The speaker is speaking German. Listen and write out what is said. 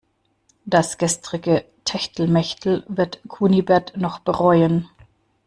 Das gestrige Techtelmechtel wird Kunibert noch bereuen.